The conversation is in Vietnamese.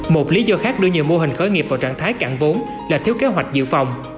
một lý do khác đưa nhiều mô hình khởi nghiệp vào trạng thái cạn vốn là thiếu kế hoạch dự phòng